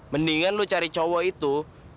mendingan lu cari cowok itu